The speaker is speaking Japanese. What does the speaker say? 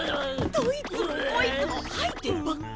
どいつもこいつも吐いてばっか！